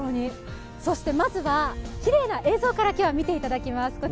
そして、まずはきれいな映像から今日は見ていただきます。